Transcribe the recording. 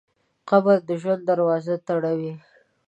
قبر د ژوند دروازه تړوي.